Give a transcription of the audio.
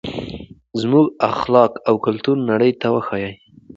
زموږ اخلاق او کلتور نړۍ ته وښایئ.